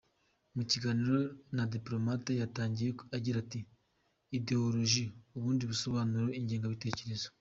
Mu kiganiro na Diploamate yatangiye agira ati “ Ideoloji ubundi bisobanura ingengabitekerezo.